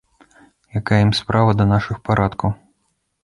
Якая ім справа да нашых парадкаў.